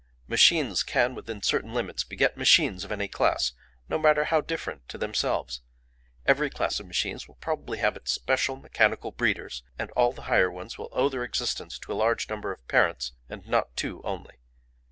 Machines can within certain limits beget machines of any class, no matter how different to themselves. Every class of machines will probably have its special mechanical breeders, and all the higher ones will owe their existence to a large number of parents and not to two only.